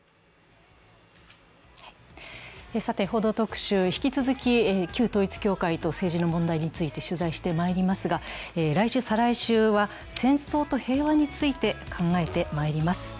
「報道特集」、引き続き旧統一教会と政治の問題について取材してまいりますが、来週、再来週は戦争と平和について考えてまいります。